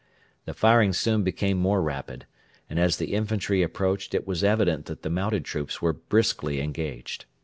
The firing soon became more rapid, and as the infantry approached it was evident that the mounted troops were briskly engaged.